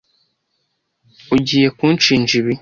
Ugiye kunshinja ibi?